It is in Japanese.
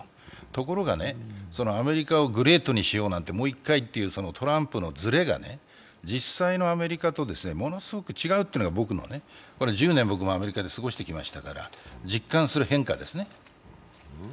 ところが、アメリカをグレートにしようなんていう、もう１回というのは、トランプのズレが実際のアメリカとものすごく違うという１０年、僕はアメリカで過ごしてきましたから実感する変化ですね。